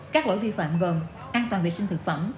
các lỗi vi phạm gần an toàn vệ sinh thực phẩm